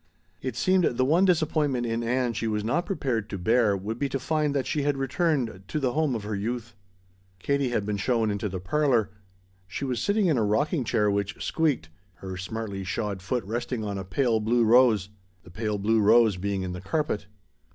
It seemed the one disappointment in Ann she was not prepared to bear would be to find that she had returned to the home of her youth. Katie had been shown into the parlor. She was sitting in a rocking chair which "squeaked" her smartly shod foot resting on a pale blue rose the pale blue rose being in the carpet.